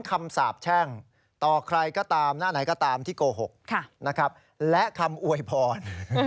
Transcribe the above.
บำเกิดแก่ค่อครัวลูกหลาน